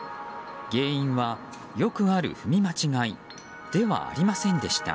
原因は、よくある踏み間違いではありませんでした。